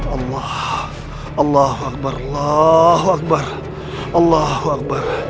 allah allahu akbar allahu akbar allahu akbar